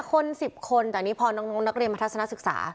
๒๓คน๕คน๑๐คนแต่นี่พอนักเรียนมาทัศนศึกษา